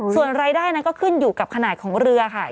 ส่วนรายได้นั้นก็ขึ้นอยู่กับขนาดของเรือค่ะ